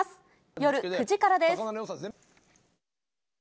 夜９時からです。